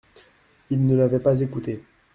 Ils ne l’avaient pas écouté.